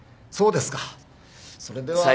そうですかそれでは。